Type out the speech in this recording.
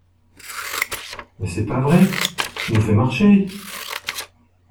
Mais c’est pas vrai… Tu nous fais marcher?